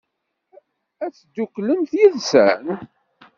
Ad tedduklemt yid-sen?